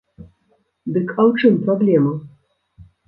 Дык а ў чым праблема!